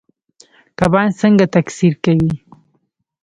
کبان څنګه تکثیر کوي؟